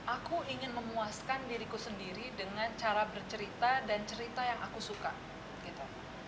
aku ingin memuaskan diriku sendiri dengan cara bercerita dan cerita yang aku suka gitu